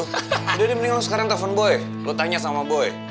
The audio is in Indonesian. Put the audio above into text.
udah nih mending lo sekarang telfon boy lo tanya sama boy